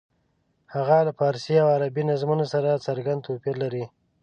هغه له فارسي او عربي نظمونو سره څرګند توپیر لري.